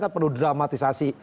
kan perlu dramatisasi